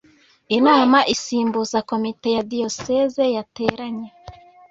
inama isimbuza komite ya diyoseze yateranye.